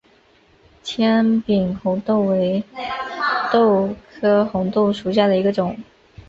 纤柄红豆为豆科红豆属下的一个种。